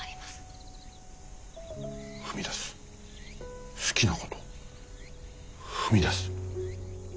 踏み出す好きなこと踏み出す。